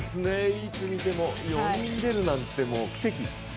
いつ見ても４人出るなんて、奇跡。